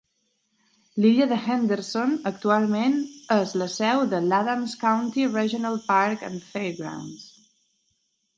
L'illa de Henderson actualment és la seu de l'Adams County Regional Park and Fairgrounds.